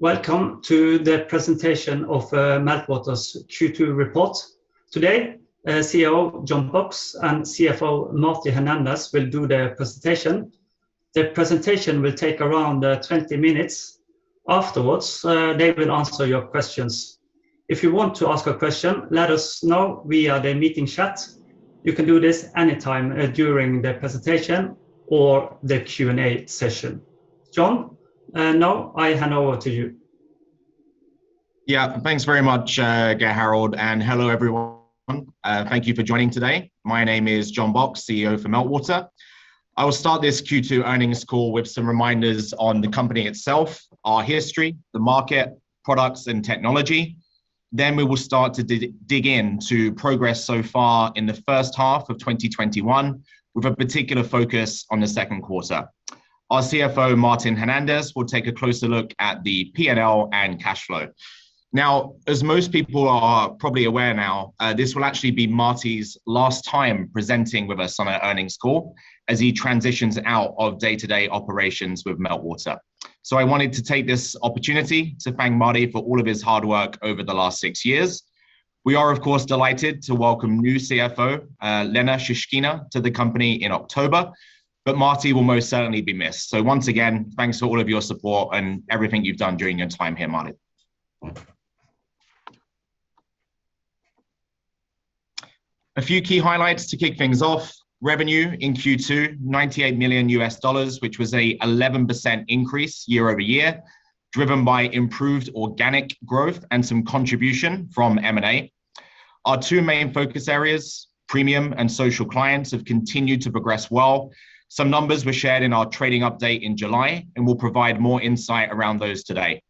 Welcome to the presentation of Meltwater's Q2 Report. Today, CEO, John Box and CFO, Marty Hernandez will do the presentation. The presentation will take around 20 minutes. Afterwards, they will answer your questions. If you want to ask a question, let us know via the meeting chat. You can do this anytime during the presentation or the Q&A session. John, now I hand over to you. Yeah, thanks very much, Gerhard, and hello, everyone. Thank you for joining today. My name is John Box, CEO for Meltwater. I will start this Q2 earnings call with some reminders on the company itself, our history, the market, products, and technology. We will start to dig in to progress so far in the first half of 2021 with a particular focus on the second quarter. Our CFO, Martin Hernandez, will take a closer look at the P&L and cash flow. As most people are probably aware now, this will actually be Marty's last time presenting with us on our earnings call as he transitions out of day-to-day operations with Meltwater. I wanted to take this opportunity to thank Marty for all of his hard work over the last six years. We are, of course, delighted to welcome new CFO, Elena Shishkina, to the company in October, but Marty will most certainly be missed. Once again, thanks for all of your support and everything you've done during your time here, Marty. A few key highlights to kick things off. Revenue in Q2, $98 million, which was a 11% increase year-over-year, driven by improved organic growth and some contribution from M&A. Our two main focus areas, premium and social clients, have continued to progress well. Some numbers were shared in our trading update in July, and we'll provide more insight around those today.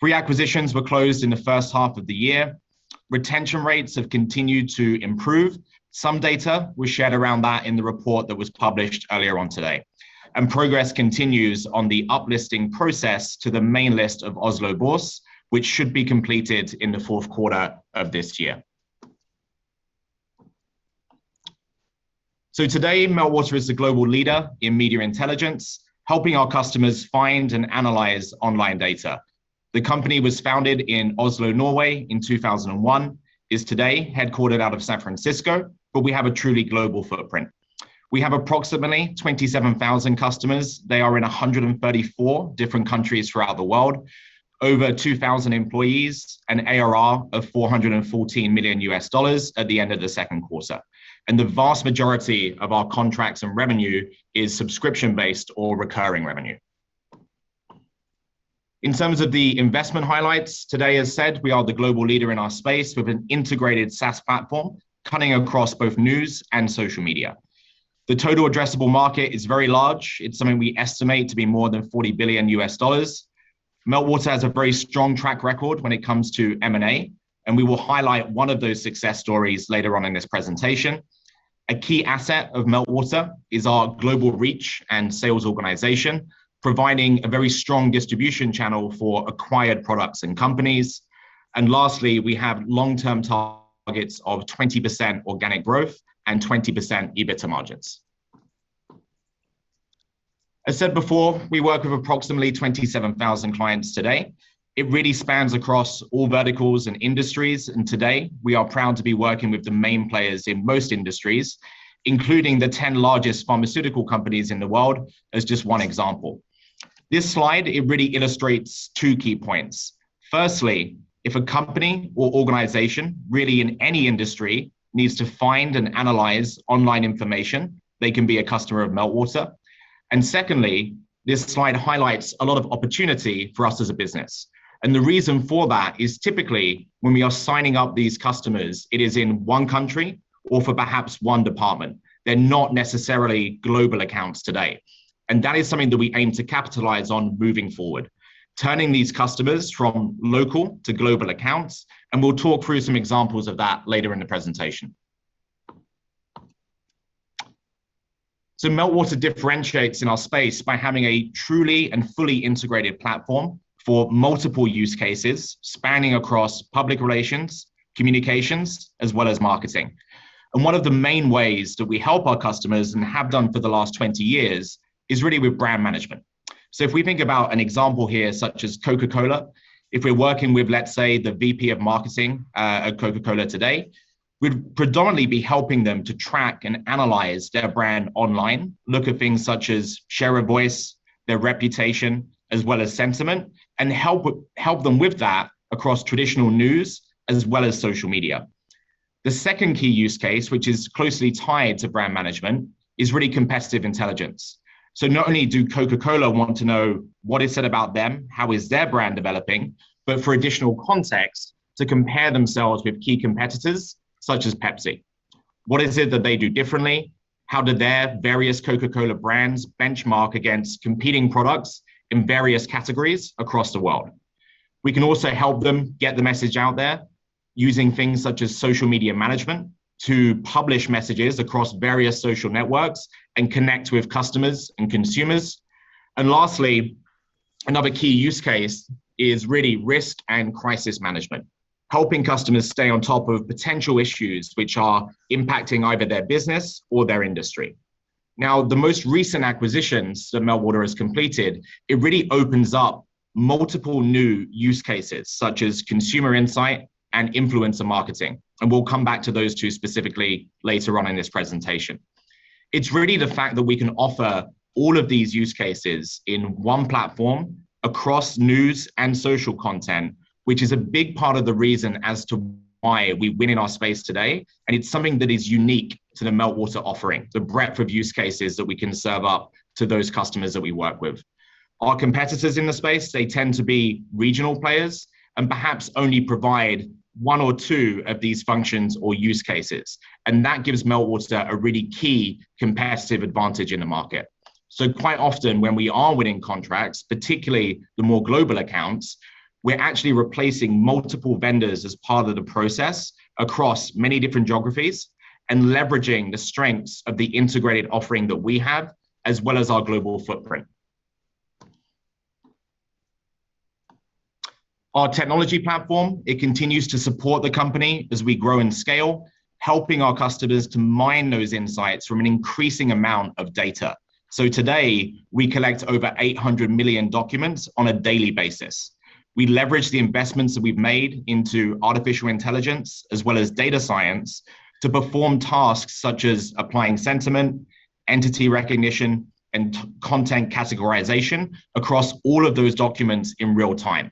Three acquisitions were closed in the first half of the year. Retention rates have continued to improve. Some data was shared around that in the report that was published earlier on today. Progress continues on the up-listing process to the main list of Oslo Børs, which should be completed in the fourth quarter of this year. Today, Meltwater is the global leader in media intelligence, helping our customers find and analyze online data. The company was founded in Oslo, Norway in 2001, is today headquartered out of San Francisco, but we have a truly global footprint. We have approximately 27,000 customers. They are in 134 different countries throughout the world. Over 2,000 employees, an ARR of $414 million at the end of the second quarter. The vast majority of our contracts and revenue is subscription-based or recurring revenue. In terms of the investment highlights, today, as said, we are the global leader in our space with an integrated SaaS platform, cutting across both news and social media. The total addressable market is very large. It's something we estimate to be more than $40 billion. Meltwater has a very strong track record when it comes to M&A, and we will highlight one of those success stories later on in this presentation. A key asset of Meltwater is our global reach and sales organization, providing a very strong distribution channel for acquired products and companies. Lastly, we have long-term targets of 20% organic growth and 20% EBITDA margins. As said before, we work with approximately 27,000 clients today. It really spans across all verticals and industries, and today, we are proud to be working with the main players in most industries, including the 10 largest pharmaceutical companies in the world, as just one example. This slide, it really illustrates two key points. Firstly, if a company or organization, really in any industry, needs to find and analyze online information, they can be a customer of Meltwater. Secondly, this slide highlights a lot of opportunity for us as a business. The reason for that is typically when we are signing up these customers, it is in one country or for perhaps one department. They're not necessarily global accounts today. That is something that we aim to capitalize on moving forward, turning these customers from local to global accounts, and we'll talk through some examples of that later in the presentation. Meltwater, differentiates in our space by having a truly and fully integrated platform for multiple use cases spanning across public relations, communications, as well as marketing. One of the main ways that we help our customers and have done for the last 20 years is really with brand management. If we think about an example here such as Coca-Cola, if we're working with, let's say, the VP of marketing at Coca-Cola today, we'd predominantly be helping them to track and analyze their brand online, look at things such as share of voice, their reputation, as well as sentiment, and help them with that across traditional news as well as social media. The second key use case, which is closely tied to brand management, is really competitive intelligence. Not only do Coca-Cola want to know what is said about them, how is their brand developing, but for additional context, to compare themselves with key competitors such as Pepsi. What is it that they do differently? How do their various Coca-Cola brands benchmark against competing products in various categories across the world? We can also help them get the message out there using things such as social media management to publish messages across various social networks and connect with customers and consumers. Lastly, another key use case is really risk and crisis management. Helping customers stay on top of potential issues which are impacting either their business or their industry. The most recent acquisitions that Meltwater has completed, it really opens up multiple new use cases, such as consumer insight and influencer marketing, and we'll come back to those two specifically later on in this presentation. It's really the fact that we can offer all of these use cases in one platform across news and social content, which is a big part of the reason as to why we win in our space today, and it's something that is unique to the Meltwater offering, the breadth of use cases that we can serve up to those customers that we work with. Our competitors in the space, they tend to be regional players and perhaps only provide one or two of these functions or use cases, and that gives Meltwater a really key competitive advantage in the market. Quite often, when we are winning contracts, particularly the more global accounts, we're actually replacing multiple vendors as part of the process across many different geographies and leveraging the strengths of the integrated offering that we have, as well as our global footprint. Our technology platform, it continues to support the company as we grow in scale, helping our customers to mine those insights from an increasing amount of data. Today, we collect over 800 million documents on a daily basis. We leverage the investments that we've made into artificial intelligence as well as data science to perform tasks such as applying sentiment, entity recognition, and content categorization across all of those documents in real time.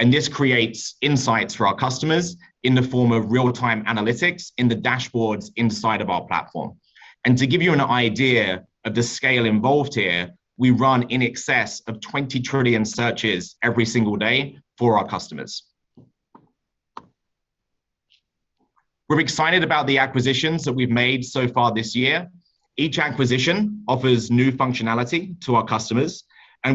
This creates insights for our customers in the form of real-time analytics in the dashboards inside of our platform. To give you an idea of the scale involved here, we run in excess of 20 trillion searches every single day for our customers. We're excited about the acquisitions that we've made so far this year. Each acquisition offers new functionality to our customers.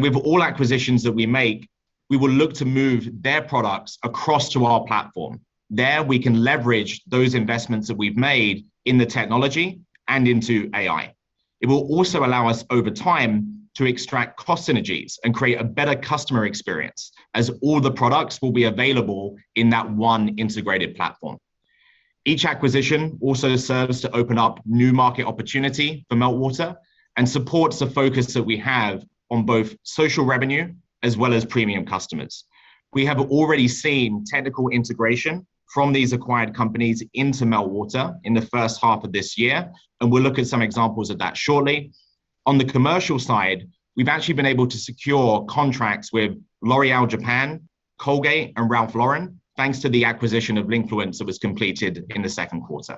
With all acquisitions that we make, we will look to move their products across to our platform. There, we can leverage those investments that we've made in the technology and into AI. It will also allow us over time to extract cost synergies and create a better customer experience as all the products will be available in that one integrated platform. Each acquisition also serves to open up new market opportunity for Meltwater and supports the focus that we have on both social revenue as well as premium customers. We have already seen technical integration from these acquired companies into Meltwater in the 1st half of this year, and we'll look at some examples of that shortly. On the commercial side, we've actually been able to secure contracts with L'Oréal Japan, Colgate-Palmolive, and Ralph Lauren, thanks to the acquisition of Linkfluence that was completed in the second quarter.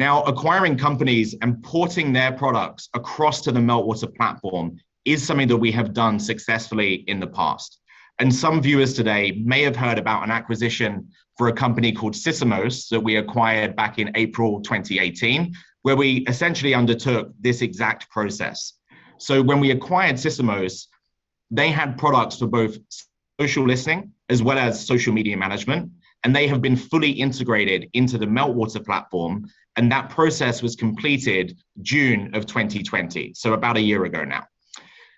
Acquiring companies and porting their products across to the Meltwater platform is something that we have done successfully in the past. Some viewers today may have heard about an acquisition for a company called Sysomos that we acquired back in April 2018, where we essentially undertook this exact process. When we acquired Sysomos, they had products for both social listening as well as social media management, and they have been fully integrated into the Meltwater platform. That process was completed June of 2020, so about a year ago now.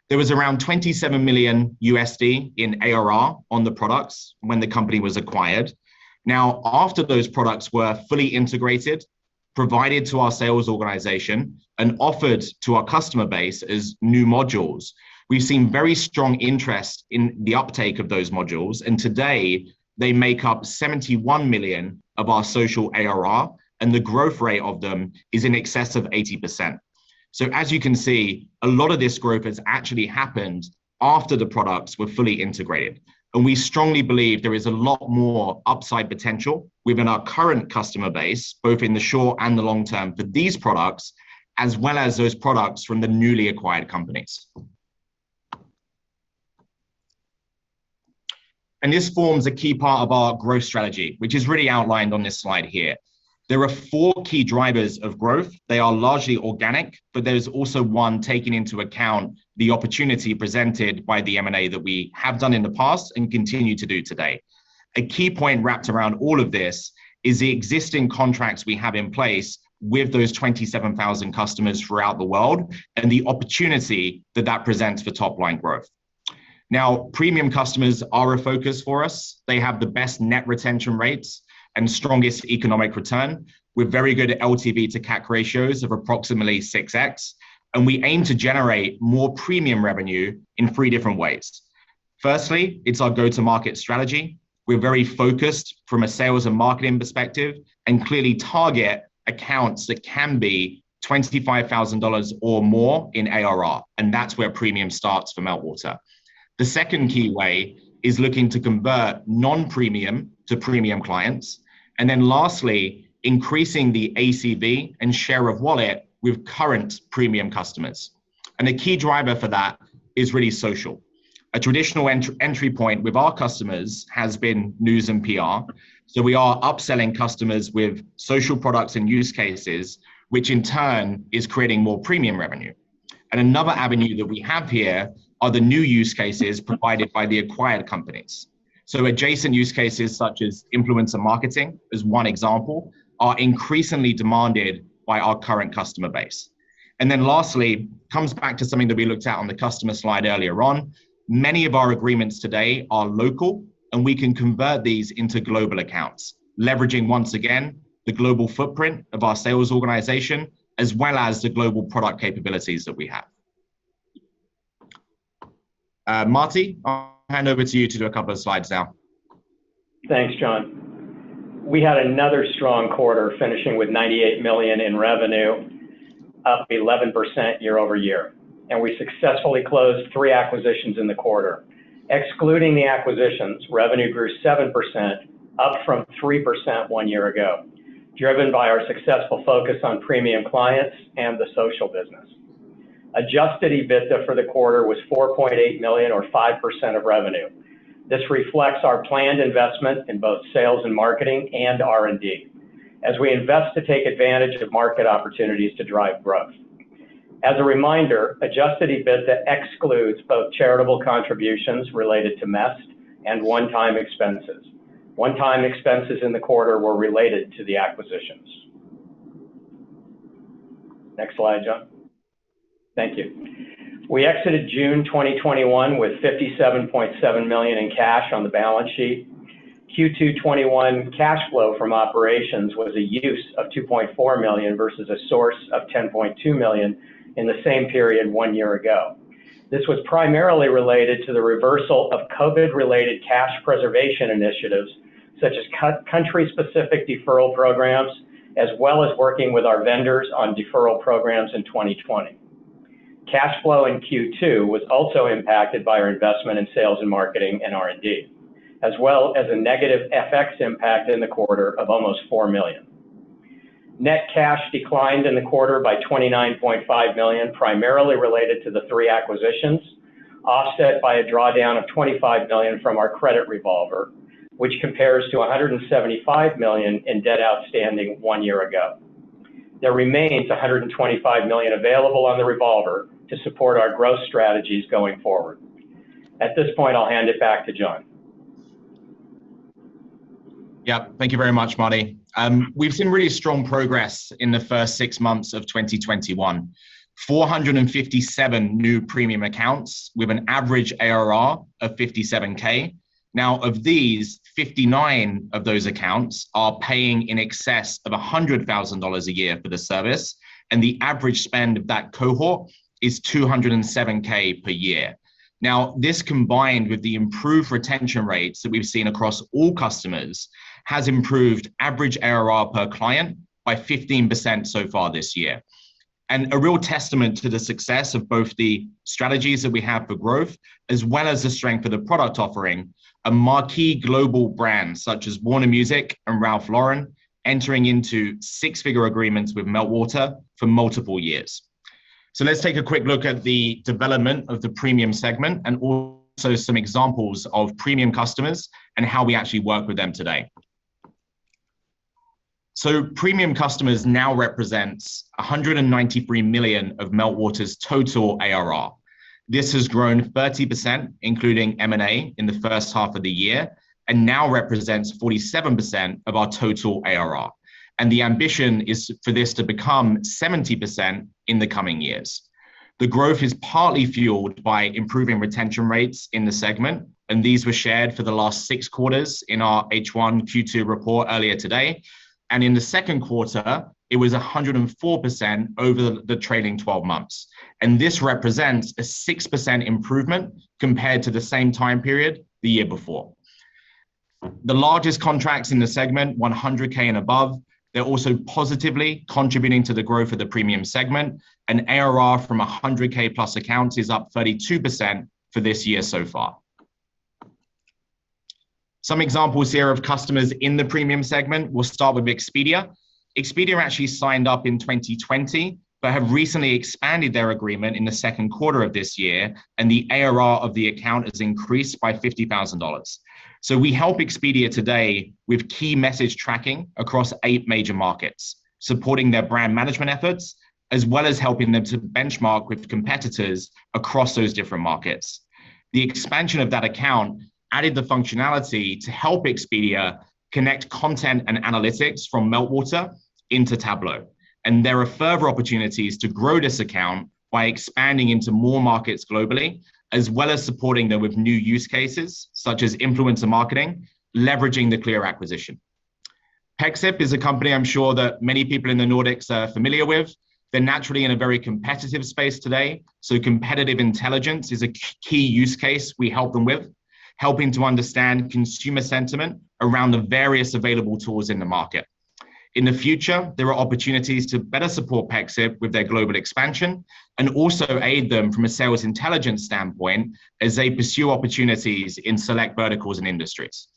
There was around $27 million in ARR on the products when the company was acquired. After those products were fully integrated, provided to our sales organization, and offered to our customer base as new modules, we've seen very strong interest in the uptake of those modules, and today, they make up $71 million of our social ARR, and the growth rate of them is in excess of 80%. As you can see, a lot of this growth has actually happened after the products were fully integrated. We strongly believe there is a lot more upside potential within our current customer base, both in the short and the long term for these products, as well as those products from the newly acquired companies. This forms a key part of our growth strategy, which is really outlined on this slide here. There are four key drivers of growth. They are largely organic, but there's also one taking into account the opportunity presented by the M&A that we have done in the past and continue to do today. A key point wrapped around all of this is the existing contracts we have in place with those 27,000 customers throughout the world, and the opportunity that that presents for top line growth. Now, premium customers are a focus for us. They have the best net retention rates and strongest economic return with very good LTV to CAC ratios of approximately 6X, and we aim to generate more premium revenue in three different ways. Firstly, it's our go-to-market strategy. We're very focused from a sales and marketing perspective, and clearly target accounts that can be $25,000 or more in ARR, and that's where premium starts for Meltwater. The second key way is looking to convert non-premium to premium clients. Lastly, increasing the ACV and share of wallet with current premium customers. A key driver for that is really social. A traditional entry point with our customers has been news and PR, so we are upselling customers with social products and use cases, which in turn is creating more premium revenue. Another avenue that we have here are the new use cases provided by the acquired companies. Adjacent use cases such as influencer marketing, as one example, are increasingly demanded by our current customer base. Lastly, comes back to something that we looked at on the customer slide earlier on. Many of our agreements today are local, and we can convert these into global accounts, leveraging, once again, the global footprint of our sales organization, as well as the global product capabilities that we have. Marty, I'll hand over to you to do a couple of slides now. Thanks, John. We had another strong quarter, finishing with $98 million in revenue, up 11% year-over-year. We successfully closed three acquisitions in the quarter. Excluding the acquisitions, revenue grew 7%, up from 3% one year ago, driven by our successful focus on premium clients and the social business. Adjusted EBITDA for the quarter was $4.8 million or 5% of revenue. This reflects our planned investment in both sales and marketing, and R&D, as we invest to take advantage of market opportunities to drive growth. As a reminder, adjusted EBITDA excludes both charitable contributions related to MEST and one-time expenses. One-time expenses in the quarter were related to the acquisitions. Next slide, John. Thank you. We exited June 2021 with $57.7 million in cash on the balance sheet. Q2 2021 cash flow from operations was a use of $2.4 million versus a source of $10.2 million in the same period one year ago. This was primarily related to the reversal of COVID-related cash preservation initiatives such as country-specific deferral programs, as well as working with our vendors on deferral programs in 2020. Cash flow in Q2 was also impacted by our investment in sales and marketing and R&D, as well as a negative FX impact in the quarter of almost $4 million. Net cash declined in the quarter by $29.5 million, primarily related to the three acquisitions, offset by a drawdown of $25 million from our credit revolver, which compares to $175 million in debt outstanding one year ago. There remains $125 million available on the revolver to support our growth strategies going forward. At this point, I'll hand it back to John. Yeah. Thank you very much, Marty. We've seen really strong progress in the first six months of 2021. 457 new premium accounts with an average ARR of $57,000. Now, of these, 59 of those accounts are paying in excess of $100,000 a year for the service, and the average spend of that cohort is $207,000 per year. Now, this, combined with the improved retention rates that we've seen across all customers, has improved average ARR per client by 15% so far this year. And a real testament to the success of both the strategies that we have for growth as well as the strength of the product offering, are marquee global brands such as Warner Music and Ralph Lauren entering into six-figure agreements with Meltwater for multiple years. Let's take a quick look at the development of the premium segment and also some examples of premium customers and how we actually work with them today. Premium customers now represents $193 million of Meltwater's total ARR. This has grown 30%, including M&A, in the first half of the year and now represents 47% of our total ARR. The ambition is for this to become 70% in the coming years. The growth is partly fueled by improving retention rates in the segment, and these were shared for the last 6 quarters in our H1 Q2 report earlier today. In the second quarter, it was 104% over the trailing 12 months. This represents a 6% improvement compared to the same time period the year before. The largest contracts in the segment, $100K and above, they're also positively contributing to the growth of the premium segment. An ARR from 100K plus accounts is up 32% for this year so far. Some examples here of customers in the premium segment. We'll start with Expedia. Expedia, actually signed up in 2020, but have recently expanded their agreement in the second quarter of this year, and the ARR of the account has increased by $50,000. We help Expedia today with key message tracking across eight major markets, supporting their brand management efforts, as well as helping them to benchmark with competitors across those different markets. The expansion of that account added the functionality to help Expedia connect content and analytics from Meltwater into Tableau, and there are further opportunities to grow this account by expanding into more markets globally, as well as supporting them with new use cases such as influencer marketing, leveraging the Klear acquisition. Pexip, is a company I'm sure that many people in the Nordics are familiar with. They're naturally in a very competitive space today, so competitive intelligence is a key use case we help them with, helping to understand consumer sentiment around the various available tools in the market. In the future, there are opportunities to better support Pexip with their global expansion and also aid them from a sales intelligence standpoint as they pursue opportunities in select verticals and industries.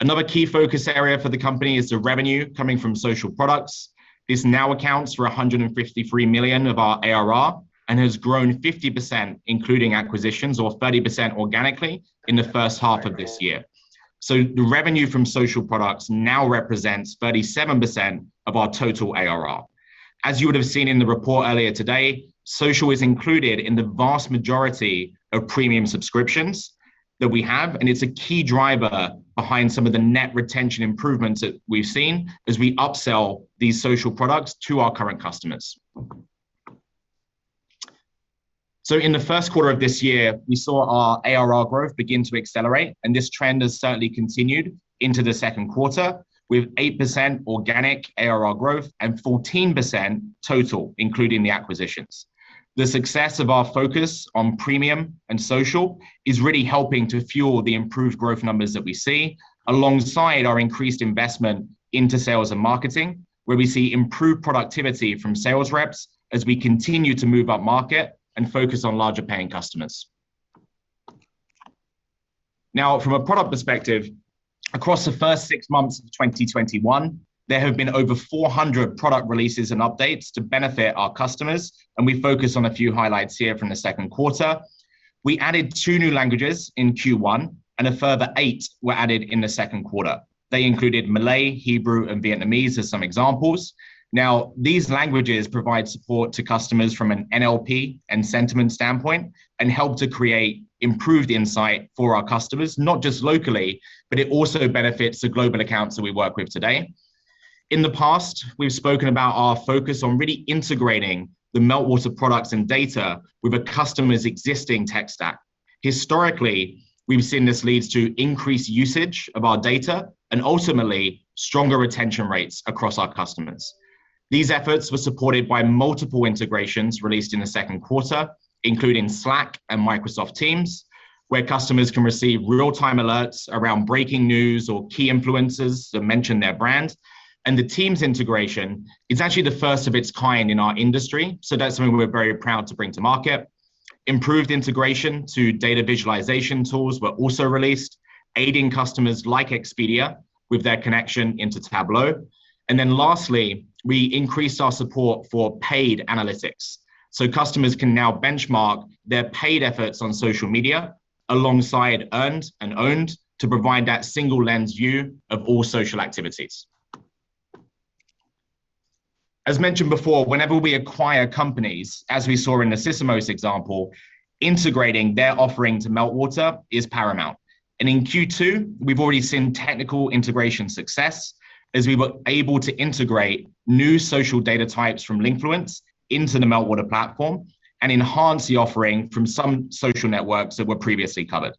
Another key focus area for the company is the revenue coming from social products. This now accounts for $153 million of our ARR and has grown 50%, including acquisitions, or 30% organically in the first half of this year. The revenue from social products now represents 37% of our total ARR. As you would have seen in the report earlier today, social is included in the vast majority of premium subscriptions that we have, and it's a key driver behind some of the net retention improvements that we've seen as we upsell these social products to our current customers. In the first quarter of this year, we saw our ARR growth begin to accelerate, and this trend has certainly continued into the second quarter with 8% organic ARR growth and 14% total, including the acquisitions. The success of our focus on premium and social is really helping to fuel the improved growth numbers that we see alongside our increased investment into sales and marketing, where we see improved productivity from sales reps as we continue to move up market and focus on larger paying customers. From a product perspective, across the first six months of 2021, there have been over 400 product releases and updates to benefit our customers, and we focus on a few highlights here from the second quarter. We added two new languages in Q1, and a further eight were added in the second quarter. They included Malay, Hebrew, and Vietnamese as some examples. These languages provide support to customers from an NLP and sentiment standpoint and help to create improved insight for our customers, not just locally, but it also benefits the global accounts that we work with today. In the past, we've spoken about our focus on really integrating the Meltwater products and data with a customer's existing tech stack. Historically, we've seen this leads to increased usage of our data and ultimately stronger retention rates across our customers. These efforts were supported by multiple integrations released in the second quarter, including Slack and Microsoft Teams, where customers can receive real-time alerts around breaking news or key influencers that mention their brand. The Teams integration, is actually the first of its kind in our industry, so that's something we're very proud to bring to market. Improved integration to data visualization tools were also released, aiding customers like Expedia with their connection into Tableau. Lastly, we increased our support for paid analytics, so customers can now benchmark their paid efforts on social media alongside earned and owned to provide that single-lens view of all social activities. As mentioned before, whenever we acquire companies, as we saw in the Sysomos example, integrating their offering to Meltwater is paramount. In Q2, we've already seen technical integration success as we were able to integrate new social data types from Linkfluence into the Meltwater platform and enhance the offering from some social networks that were previously covered.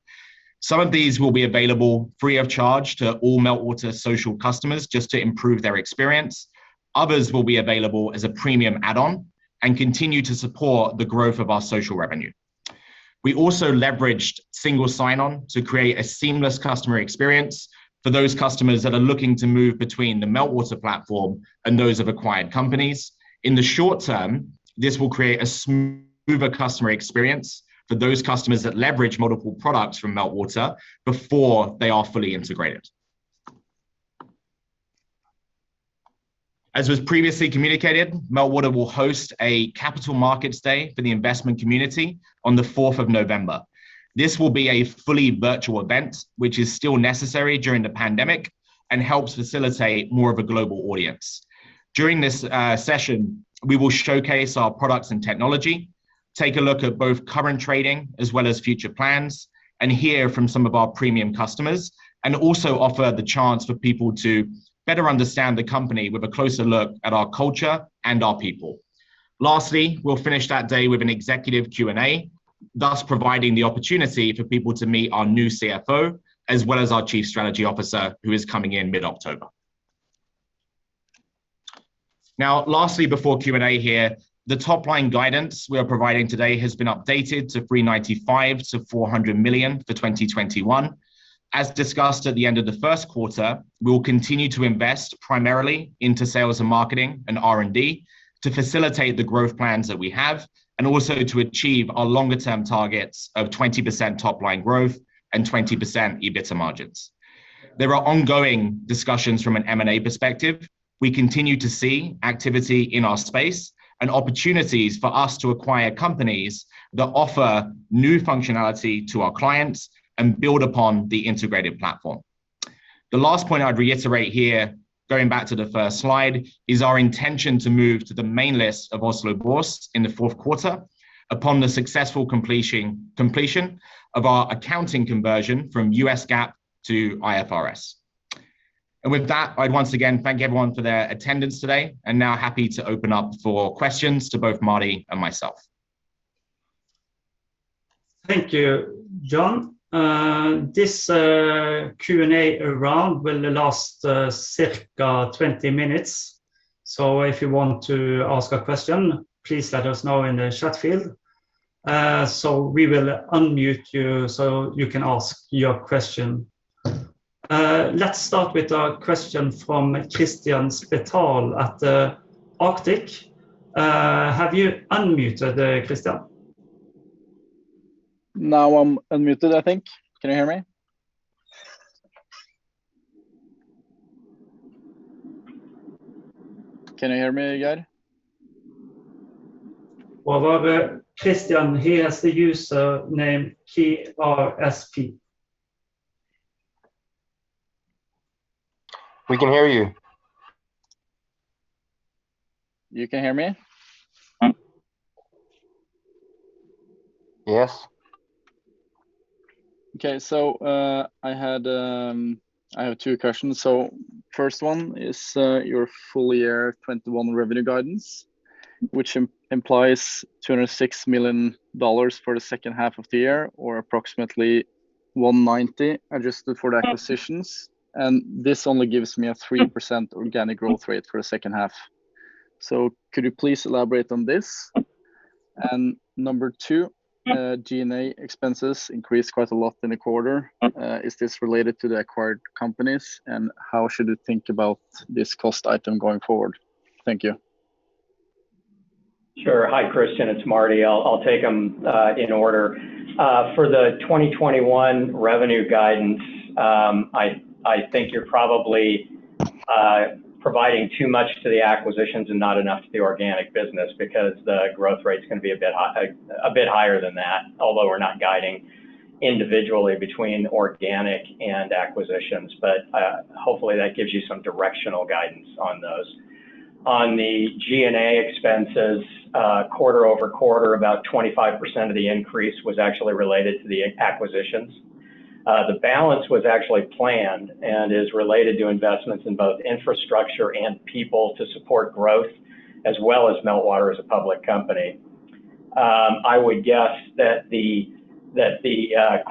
Some of these will be available free of charge to all Meltwater social customers just to improve their experience. Others will be available as a premium add-on and continue to support the growth of our social revenue. We also leveraged single sign-on to create a seamless customer experience for those customers that are looking to move between the Meltwater platform and those of acquired companies. In the short term, this will create a smoother customer experience for those customers that leverage multiple products from Meltwater before they are fully integrated. As was previously communicated, Meltwater will host a capital markets day for the investment community on the 4th of November. This will be a fully virtual event, which is still necessary during the pandemic and helps facilitate more of a global audience. During this session, we will showcase our products and technology, take a look at both current trading as well as future plans, and hear from some of our premium customers, also offer the chance for people to better understand the company with a closer look at our culture and our people. Lastly, we'll finish that day with an executive Q&A, thus providing the opportunity for people to meet our new CFO as well as our chief strategy officer who is coming in mid-October. Lastly before Q&A here, the top-line guidance we are providing today has been updated to $395 million-$400 million for 2021. As discussed at the end of the first quarter, we will continue to invest primarily into sales and marketing and R&D to facilitate the growth plans that we have and also to achieve our longer-term targets of 20% top-line growth and 20% EBITDA margins. There are ongoing discussions from an M&A perspective. We continue to see activity in our space and opportunities for us to acquire companies that offer new functionality to our clients and build upon the integrated platform. The last point I would reiterate here, going back to the first slide, is our intention to move to the main list of Oslo Børs in the fourth quarter upon the successful completion of our accounting conversion from US GAAP to IFRS. With that, I'd once again thank everyone for their attendance today, and now happy to open up for questions to both Marty and myself. Thank you, John. This Q&A round will last circa 20 minutes, if you want to ask a question, please let us know in the chat field. We will unmute you so you can ask your question. Let's start with a question from Kristian Spetalen at Arctic. Have you unmuted, Kristian? Now I'm unmuted, I think. Can you hear me? Can you hear me, again? Well, we have Kristian. He has the username KRSP. We can hear you. You can hear me? Yes. Okay. I have two questions. First one is your full year 2021 revenue guidance, which implies $206 million for the second half of the year, or approximately $190 million adjusted for the acquisitions. This only gives me a 3% organic growth rate for the second half. Could you please elaborate on this? Number two, G&A expenses increased quite a lot in the quarter. Is this related to the acquired companies, and how should we think about this cost item going forward? Thank you. Sure. Hi, Kristian, it's Marty. I'll take them in order. For the 2021 revenue guidance, I think you're probably providing too much to the acquisitions and not enough to the organic business because the growth rate's going to be a bit higher than that, although we're not guiding individually between organic and acquisitions. Hopefully that gives you some directional guidance on those. On the G&A expenses, quarter-over-quarter, about 25% of the increase was actually related to the acquisitions. The balance was actually planned and is related to investments in both infrastructure and people to support growth, as well as Meltwater as a public company. I would guess that the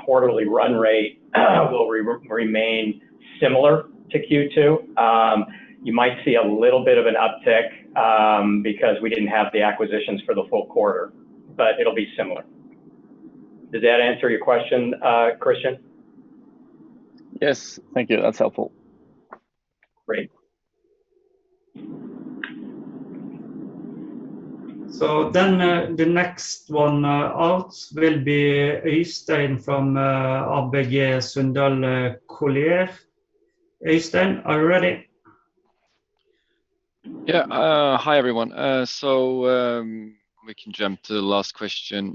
quarterly run rate will remain similar to Q2. You might see a little bit of an uptick because we didn't have the acquisitions for the full quarter, but it'll be similar. Does that answer your question, Kristian? Yes. Thank you. That's helpful. Great. The next one out will be Øystein from ABG Sundal Collier. Øystein, are you ready? Yeah. Hi, everyone. We can jump to the last question.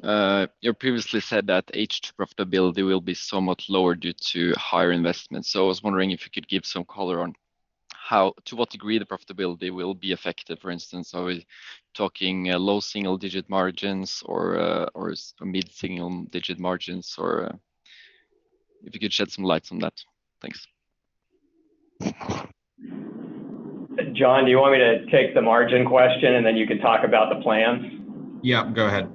You previously said that H2 profitability will be somewhat lower due to higher investments. I was wondering if you could give some color on to what degree the profitability will be affected. For instance, are we talking low single-digit margins or mid-single-digit margins, or if you could shed some light on that. Thanks. John, do you want me to take the margin question, and then you can talk about the plans? Yeah, go ahead.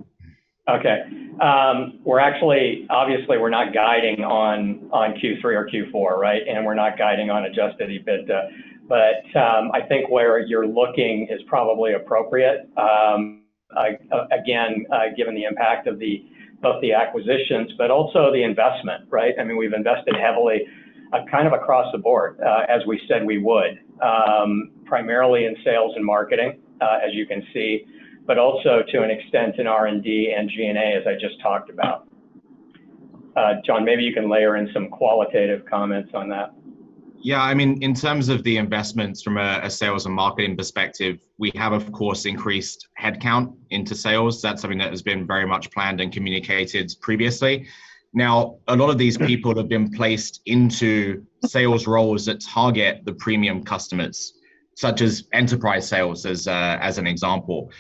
Okay. Obviously we're not guiding on Q3 or Q4, right? We're not guiding on adjusted EBITDA, I think where you're looking is probably appropriate. Again, given the impact of both the acquisitions, but also the investment, right? We've invested heavily kind of across the board, as we said we would. Primarily in sales and marketing, as you can see, but also to an extent in R&D and G&A, as I just talked about. John, maybe you can layer in some qualitative comments on that. Yeah, in terms of the investments from a sales and marketing perspective, we have, of course, increased headcount into sales. That's something that has been very much planned and communicated previously. Now, a lot of these people have been placed into sales roles that target the premium customers, such as enterprise sales, as an example.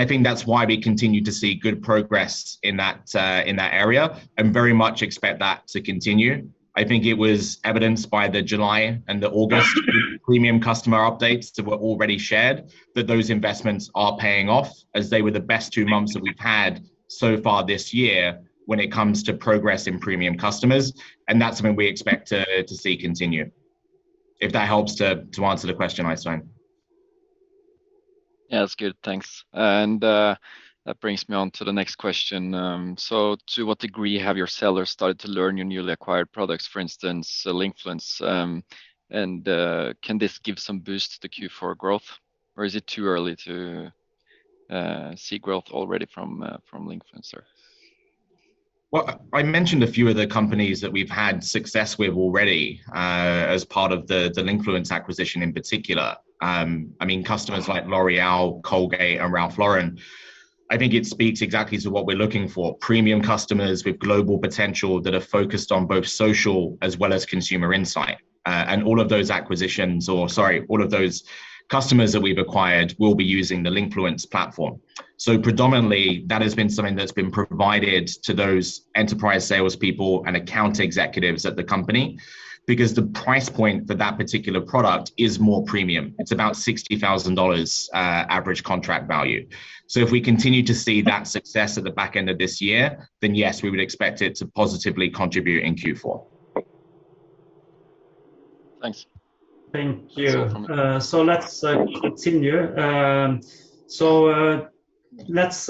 I think that's why we continue to see good progress in that area, and very much expect that to continue. I think it was evidenced by the July and the August premium customer updates that were already shared, that those investments are paying off, as they were the best two months that we've had so far this year when it comes to progress in premium customers, and that's something we expect to see continue. If that helps to answer the question, Øystein. Yeah. That's good. Thanks. That brings me on to the next question. To what degree have your sellers started to learn your newly acquired products, for instance, Linkfluence? Can this give some boost to Q4 growth, or is it too early to see growth already from Linkfluence, or? Well, I mentioned a few of the companies that we've had success with already as part of the Linkfluence acquisition in particular. Customers like L'Oréal, Colgate-Palmolive, and Ralph Lauren. I think it speaks exactly to what we're looking for, premium customers with global potential that are focused on both social as well as consumer insight. All of those customers that we've acquired will be using the Linkfluence platform. Predominantly that has been something that's been provided to those enterprise salespeople and account executives at the company because the price point for that particular product is more premium. It's about $60,000 average contract value. If we continue to see that success at the back end of this year, then yes, we would expect it to positively contribute in Q4. Thanks. Thank you. That's all from me. Let's continue. Let's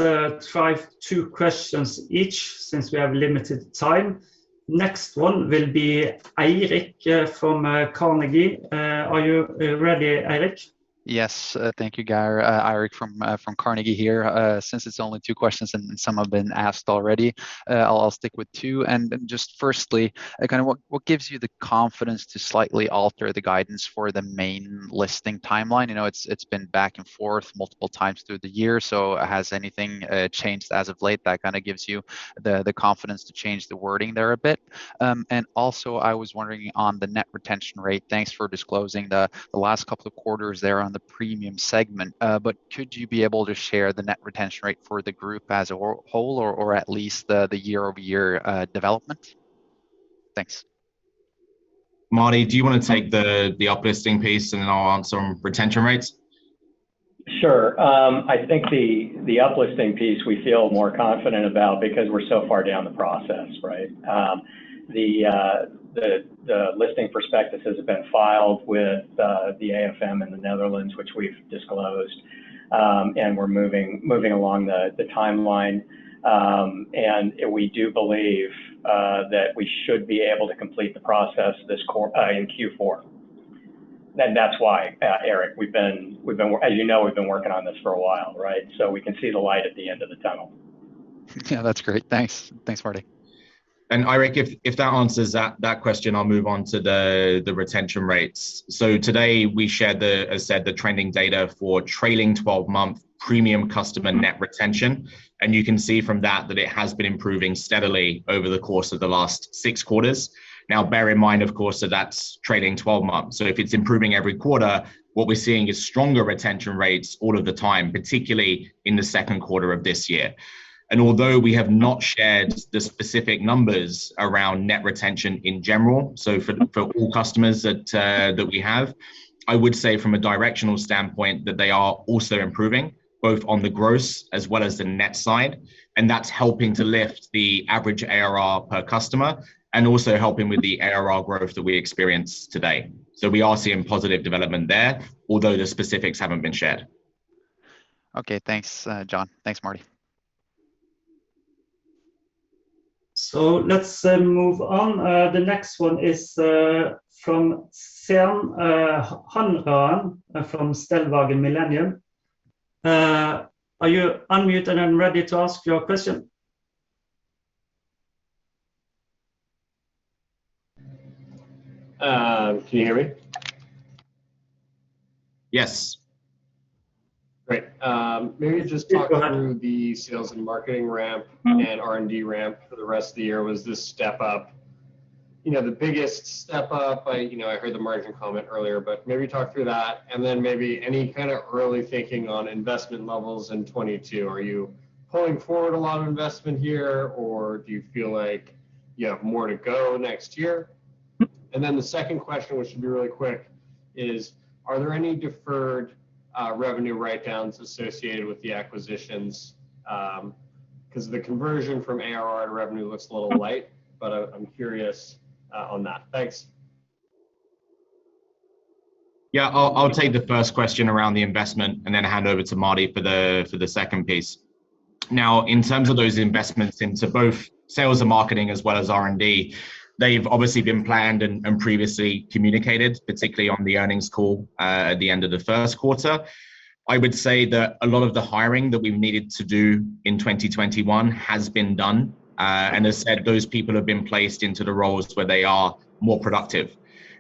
try two questions each since we have limited time. Next one will be Eirik from Carnegie. Are you ready, Eirik? Yes. Thank you, Geir. Eirik from Carnegie here. Since it's only two questions and some have been asked already, I'll stick with two. Just firstly, what gives you the confidence to slightly alter the guidance for the main listing timeline? It's been back and forth multiple times through the year. Has anything changed as of late that gives you the confidence to change the wording there a bit? Also I was wondering on the net retention rate, thanks for disclosing the last couple of quarters there on the premium segment. Could you be able to share the net retention rate for the group as a whole, or at least the year-over-year development? Thanks. Marty, do you want to take the uplisting piece and then I'll answer on retention rates? Sure. I think the uplisting piece we feel more confident about because we're so far down the process, right? The listing prospectus has been filed with the AFM in the Netherlands, which we've disclosed. We're moving along the timeline. We do believe that we should be able to complete the process in Q4. That's why, Eirik, as you know, we've been working on this for a while, right? We can see the light at the end of the tunnel. Yeah, that's great. Thanks. Thanks, Marty. Eirik, if that answers that question, I'll move on to the retention rates. Today we shared the, as said, the trending data for trailing 12-month premium customer net retention. You can see from that it has been improving steadily over the course of the last six quarters. Now bear in mind, of course, that's trailing 12 months, so if it's improving every quarter, what we're seeing is stronger retention rates all of the time, particularly in the 2nd quarter of this year. Although we have not shared the specific numbers around net retention in general, so for all customers that we have, I would say from a directional standpoint, that they are also improving, both on the gross as well as the net side, and that's helping to lift the average ARR per customer and also helping with the ARR growth that we experienced today. We are seeing positive development there, although the specifics haven't been shared. Okay. Thanks, John. Thanks, Marty. Let's move on. The next one is from [Seim Hanrahan] from Stellwagen Millennium. Are you unmuted and ready to ask your question? Can you hear me? Yes. Great. Maybe just talk through the sales and marketing ramp and R&D ramp for the rest of the year. Was this step up the biggest step up? I heard the margin comment earlier, but maybe talk through that, and then maybe any kind of early thinking on investment levels in 2022. Are you pulling forward a lot of investment here, or do you feel like you have more to go next year? The second question, which should be really quick, is, are there any deferred revenue write-downs associated with the acquisitions? Because the conversion from ARR to revenue looks a little light, but I'm curious on that. Thanks. Yeah, I'll take the first question around the investment and then hand over to Marty for the second piece. In terms of those investments into both sales and marketing as well as R&D, they've obviously been planned and previously communicated, particularly on the earnings call at the end of the first quarter. I would say that a lot of the hiring that we've needed to do in 2021 has been done. As said, those people have been placed into the roles where they are more productive.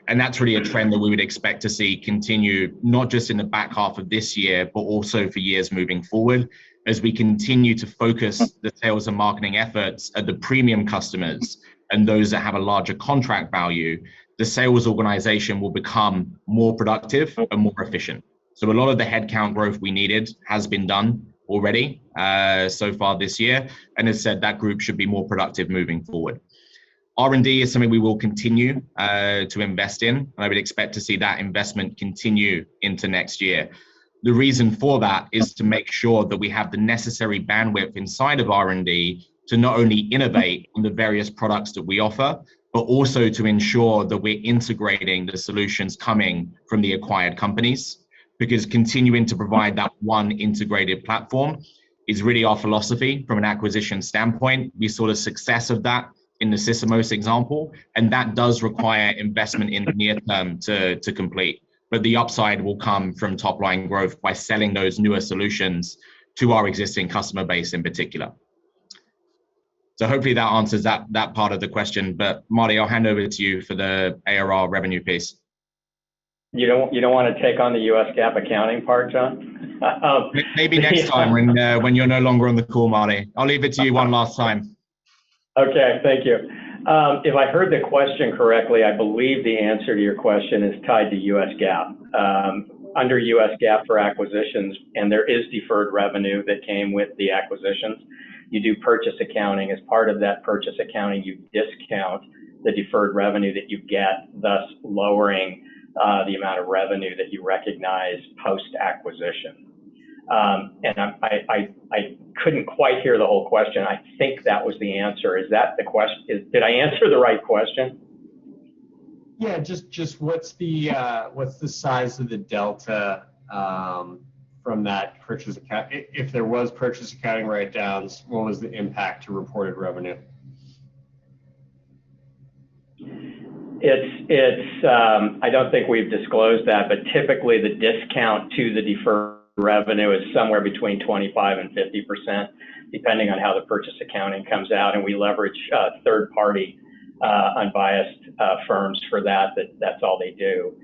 That's really a trend that we would expect to see continue, not just in the back half of this year, but also for years moving forward. As we continue to focus the sales and marketing efforts at the premium customers and those that have a larger contract value, the sales organization will become more productive and more efficient. A lot of the headcount growth we needed has been done already so far this year, and as said, that group should be more productive moving forward. R&D is something we will continue to invest in, and I would expect to see that investment continue into next year. The reason for that is to make sure that we have the necessary bandwidth inside of R&D to not only innovate on the various products that we offer, but also to ensure that we're integrating the solutions coming from the acquired companies. Because continuing to provide that one integrated platform is really our philosophy from an acquisition standpoint. We saw the success of that in the Sysomos example, and that does require investment in the near term to complete. The upside will come from top line growth by selling those newer solutions to our existing customer base in particular. Hopefully that answers that part of the question. Marty, I'll hand over to you for the ARR revenue piece. You don't want to take on the US GAAP accounting part, John? Maybe next time when you're no longer on the call, Marty. I'll leave it to you one last time. Okay. Thank you. If I heard the question correctly, I believe the answer to your question is tied to US GAAP. Under US GAAP for acquisitions, and there is deferred revenue that came with the acquisitions, you do purchase accounting. As part of that purchase accounting, you discount the deferred revenue that you get, thus lowering the amount of revenue that you recognize post-acquisition. I couldn't quite hear the whole question. I think that was the answer. Did I answer the right question? Yeah. Just what's the size of the delta from that purchase account? If there was purchase accounting write-downs, what was the impact to reported revenue? I don't think we've disclosed that, but typically the discount to the deferred revenue is somewhere between 25% and 50%, depending on how the purchase accounting comes out, and we leverage third-party unbiased firms for that. That's all they do.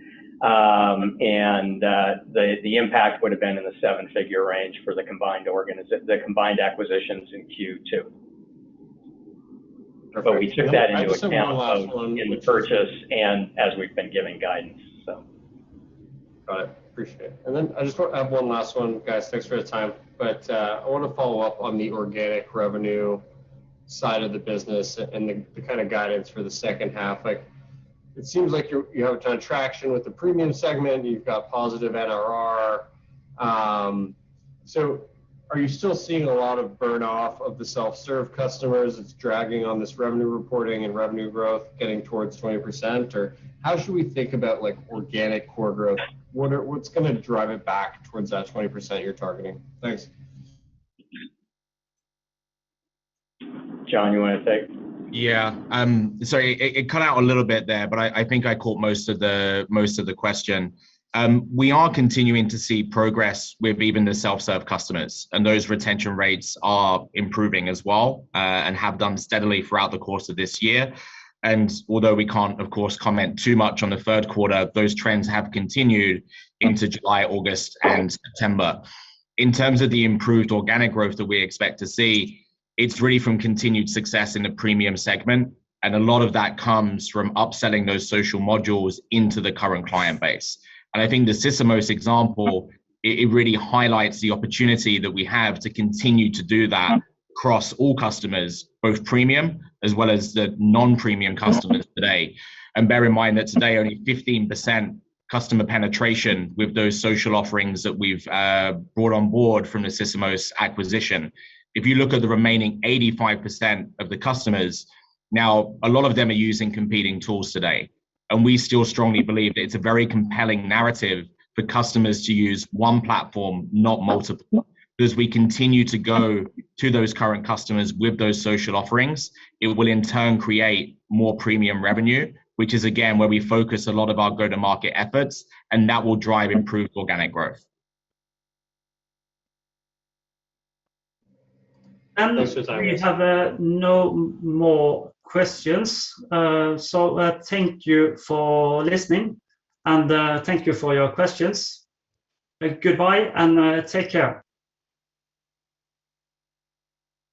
The impact would've been in the seven-figure range for the combined acquisitions in Q2. We took that into account. I have one last one. In the purchase and as we've been giving guidance. Got it. Appreciate it. I just have one last one, guys. Thanks for the time, but I want to follow up on the organic revenue side of the business and the kind of guidance for the second half. It seems like you have traction with the premium segment, you've got positive NRR. Are you still seeing a lot of burn off of the self-serve customers that's dragging on this revenue reporting and revenue growth getting towards 20%? How should we think about organic core growth? What's going to drive it back towards that 20% you're targeting? Thanks. John, you want to take? Yeah. Sorry, it cut out a little bit there, but I think I caught most of the question. We are continuing to see progress with even the self-serve customers, and those retention rates are improving as well, and have done steadily throughout the course of this year. Although we can't, of course, comment too much on the third quarter, those trends have continued into July, August, and September. In terms of the improved organic growth that we expect to see, it's really from continued success in the premium segment, and a lot of that comes from upselling those social modules into the current client base. I think the Sysomos example, it really highlights the opportunity that we have to continue to do that across all customers, both premium as well as the non-premium customers today. Bear in mind that today only 15% customer penetration with those social offerings that we've brought on board from the Sysomos acquisition. If you look at the remaining 85% of the customers, now, a lot of them are using competing tools today, and we still strongly believe that it's a very compelling narrative for customers to use one platform, not multiple. As we continue to go to those current customers with those social offerings, it will in turn create more premium revenue, which is again, where we focus a lot of our go-to-market efforts, and that will drive improved organic growth. Thanks for your time. We have no more questions. Thank you for listening, and thank you for your questions. Goodbye and take care.